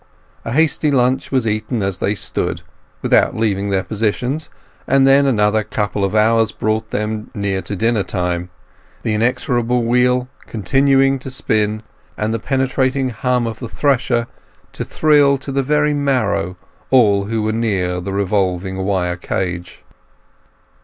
A hasty lunch was eaten as they stood, without leaving their positions, and then another couple of hours brought them near to dinner time; the inexorable wheel continuing to spin, and the penetrating hum of the thresher to thrill to the very marrow all who were near the revolving wire cage.